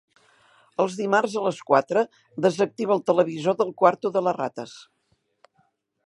Els dimarts a les quatre desactiva el televisor del quarto de les rates.